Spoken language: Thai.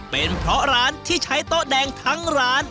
เป็นเพราะร้านที่ใช้โต๊ะแดงทั้งร้าน